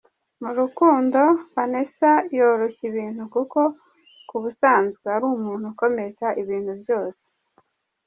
Mu rukundo, Vanessa yoroshya ibintu kuko ku busanzwe ari umuntu ukomeza ibintu byose.